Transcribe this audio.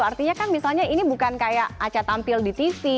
artinya kan misalnya ini bukan kayak aca tampil di tv